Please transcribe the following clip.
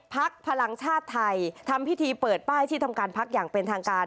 พลังชาติไทยทำพิธีเปิดป้ายที่ทำการพักอย่างเป็นทางการ